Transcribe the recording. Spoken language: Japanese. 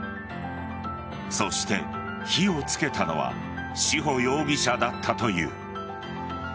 そして火をつけたのは志保容疑者だったという。